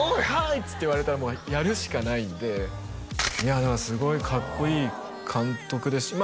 っつって言われたらもうやるしかないんでいやだからすごいかっこいい監督ですしま